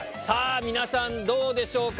皆さんどうでしょうか？